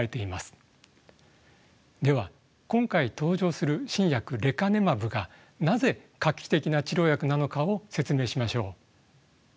では今回登場する新薬レカネマブがなぜ画期的な治療薬なのかを説明しましょう。